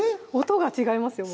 音が違いますよ